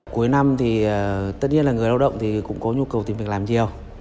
cuối năm thì tất nhiên là người lao động thì cũng có nhu cầu tìm việc làm nhiều